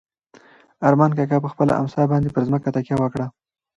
ارمان کاکا په خپله امسا باندې پر ځمکه تکیه وکړه.